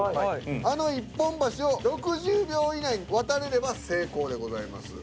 あの一本橋を６０秒以内に渡れれば成功でございます。